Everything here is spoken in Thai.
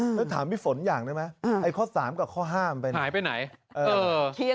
เออถ้าถามพี่ฝนอย่างได้ไหมไอ้ข้อสามกับข้อห้ามไป